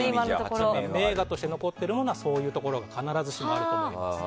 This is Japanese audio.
名画として残ってるのはそういうところが必ずしもあると思います。